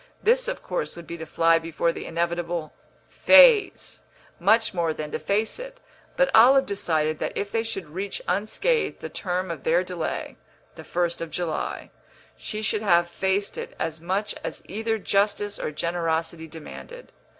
This, of course, would be to fly before the inevitable "phase," much more than to face it; but Olive decided that if they should reach unscathed the term of their delay (the first of July) she should have faced it as much as either justice or generosity demanded.